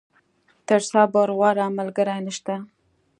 تر صبر، غوره ملګری نشته.